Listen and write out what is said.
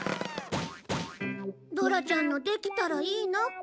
ドラちゃんの「できたらいいな」か。